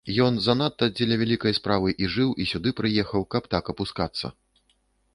Ён занадта дзеля вялікай справы і жыў, і сюды прыехаў, каб так апускацца.